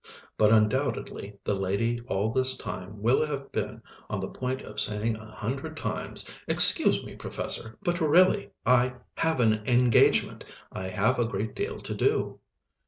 But undoubtedly the lady all this time will have been on the point of saying a hundred times: "Excuse me, Professor, but really ... I have an engagement ... I have a great deal to do...."